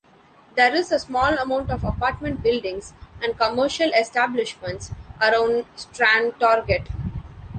There is a small amount of apartment buildings and commercial establishments around Strandtorget.